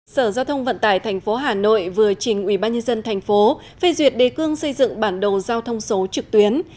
sở giao thông vận tải tp hà nội vừa trình ubnd tp phê duyệt đề cương xây dựng bản đồ giao thông số trực tuyến